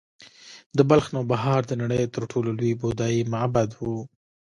د بلخ نوبهار د نړۍ تر ټولو لوی بودايي معبد و